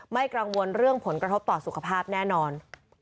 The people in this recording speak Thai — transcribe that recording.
กังวลเรื่องผลกระทบต่อสุขภาพแน่นอน